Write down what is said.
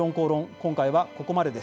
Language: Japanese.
今回はここまでです。